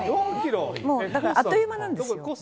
だから、あっという間です。